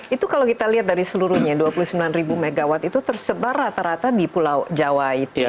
itu kalau kita lihat dari seluruhnya dua puluh sembilan ribu megawatt itu tersebar rata rata di pulau jawa itu